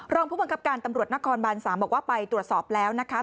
รองผู้บังคับการตำรวจนครบาน๓บอกว่าไปตรวจสอบแล้วนะคะ